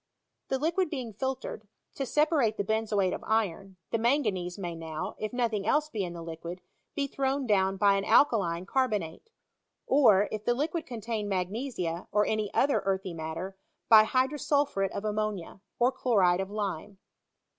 The liquid being filtered, to separate the benzoate of iron, the manganese may now (if nothing else be in the liquid) be thrown down by an alkaline car bonate ; or, if the liquid contain magnesia, or any other earthy matter, by hydrosulphuret of ammonia, or chloride of lime.